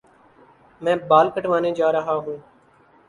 میں بال کٹوانے جا رہا ہوں